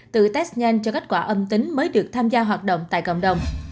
từ test nhanh cho kết quả âm tính mới được tham gia hoạt động tại cộng đồng